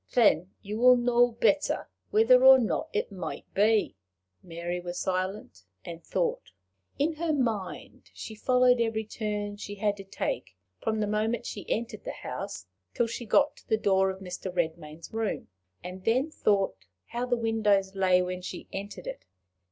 Then you will know better whether or not it might be." Mary was silent, and thought. In her mind she followed every turn she had to take from the moment she entered the house till she got to the door of Mr. Redmain's room, and then thought how the windows lay when she entered it.